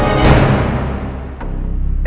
aku gak ketemu ketemu pak